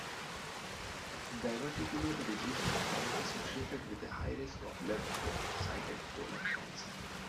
Diverticular disease was found associated with a higher risk of left sided colon cancer.